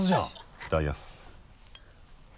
いただきやす。